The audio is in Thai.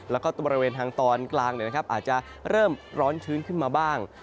แล้วก็บริเวณทางตอนกลางอาจจะเริ่มร้อนชื้นขึ้นมาบ้าง